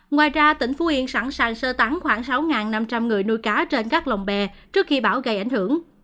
ngoài ra tỉnh phú yên sẵn sàng sơ tán khoảng sáu năm trăm linh người nuôi cá trên các lồng bè trước khi bão gây ảnh hưởng